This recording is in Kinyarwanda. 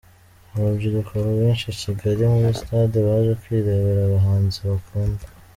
Urubyiruko rwinshi i Kigali muri Stade baje kwirebera abahanzi bakunda.